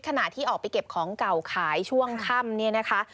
ขณะที่ออกไปเก็บของเก่าขายช่วงค่ำ